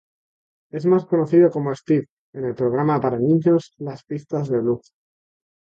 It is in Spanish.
Es más conocido como Steve en el programa para niños Las pistas de Blue.